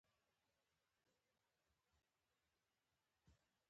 ځمکه د افغانستان د سیلګرۍ یوه ډېره مهمه برخه ده.